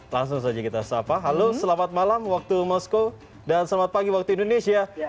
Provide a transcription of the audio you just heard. langsung saja kita sapa halo selamat malam waktu moskow dan selamat pagi waktu indonesia